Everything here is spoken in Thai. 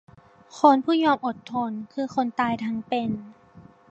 คนผู้ยอมอดทน คือคนตายทั้งเป็น